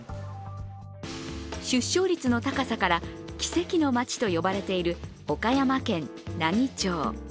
出生率の高さから奇跡のまちと呼ばれている岡山県奈義町。